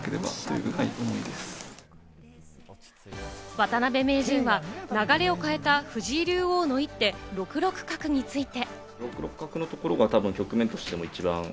渡辺名人は流れを変えた藤井竜王の一手・６六角について。